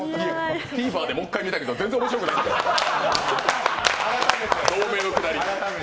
ＴＶｅｒでもう一回見たけど全然面白くない、同盟の下り。